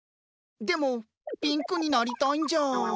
でもピンクになりたいんじゃ。